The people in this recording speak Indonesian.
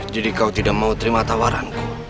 jadi kau tidak mau terima tawaranku